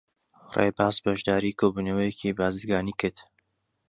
ڕێباز بەشداریی کۆبوونەوەیەکی بازرگانیی کرد.